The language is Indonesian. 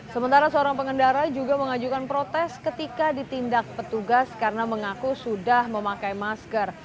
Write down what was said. sementara seorang pengendara juga mengajukan protes ketika ditindak petugas karena mengaku sudah memakai masker